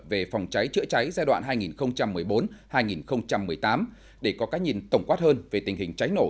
về phòng cháy chữa cháy giai đoạn hai nghìn một mươi bốn hai nghìn một mươi tám để có cái nhìn tổng quát hơn về tình hình cháy nổ